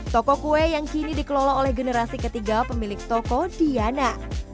toko kue yang kini dikelola oleh generasi ketiga pemilik toko diana